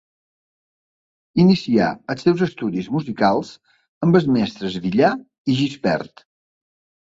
Inicià els seus estudis musicals amb els mestres Villar i Gispert.